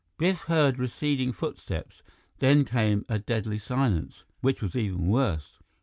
Biff heard receding footsteps; then came a deadly silence, which was even worse.